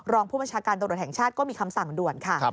รองผู้บัญชาการตำรวจแห่งชาติก็มีคำสั่งด่วนค่ะ